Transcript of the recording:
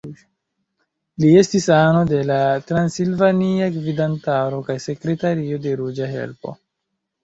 Li estis ano de la transilvania gvidantaro kaj sekretario de Ruĝa Helpo.